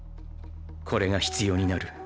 これが必要になる。